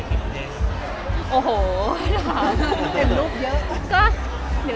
อันนี้ไปมาเข็มโอเจ๊